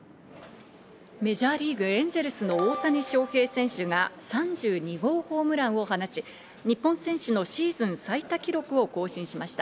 メジャーリーグ、エンゼルスの大谷翔平選手が３２号ホームランを放ち、日本選手のシーズン最多記録を更新しました。